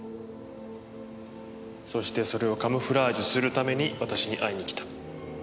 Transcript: そしてそれをカムフラージュするために私に会いに来た。